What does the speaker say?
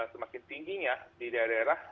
semakin tingginya di daerah